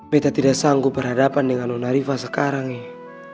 beta tidak sanggup berhadapan dengan nona riva sekarang ya